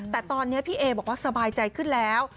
แต่ตอนนี้พี่เอบอกว่าสบายใจขึ้นแล้ว